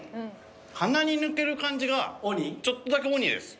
鼻に抜ける感じがちょっとだけオニです。